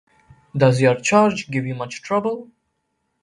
Does your charge give you much trouble?